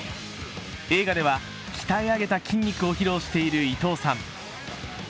映画では鍛え上げた筋肉を披露している伊藤さん。